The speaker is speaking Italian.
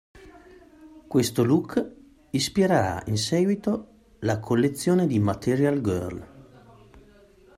Questo look ispirerà in seguito la collezione di Material Girl.